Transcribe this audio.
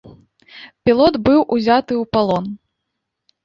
Пілот быў узяты ў палон.